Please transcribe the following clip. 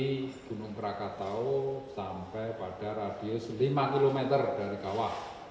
jadi gunung krakatau sampai pada radius lima km dari kawa